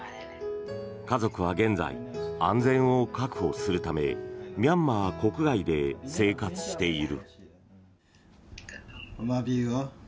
家族は現在安全を確保するためミャンマー国外で生活している。